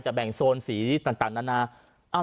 แบ่งโซนสีต่างนานา